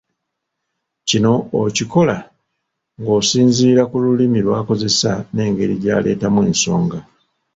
Kino okikola ng'osinziira ku lulimi lw'akozesa n'engeri gy'aleetamu ensonga.